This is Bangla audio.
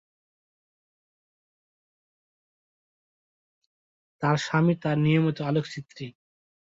তার স্বামী তার নিয়মিত আলোকচিত্রী।